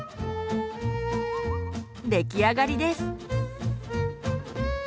出来上がりです。